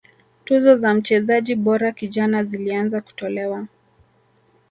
tuzo za mchezaji bora kijana zilianza kutolewa